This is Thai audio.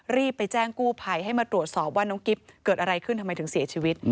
รีบไปแจ้งกู้ภัยให้มาตรวจสอบว่าน้องกิ๊บเกิดอะไรขึ้นทำไมถึงเสียชีวิต